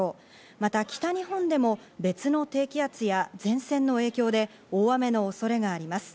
また北日本でも別の低気圧や前線の影響で大雨の恐れがあります。